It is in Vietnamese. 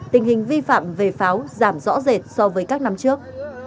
tình hình vi phạm về pháo giảm rõ rệt so với các năm trước